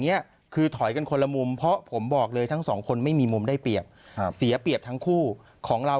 นี้คือถอยกันคนละมุมเพราะผมบอกเลยทั้งสองคนไม่มีมุมได้เปรียบเสียเปรียบทั้งคู่ของเรา